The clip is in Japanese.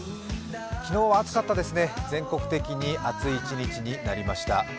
昨日は暑かったですね、全国的に暑い一日となりました。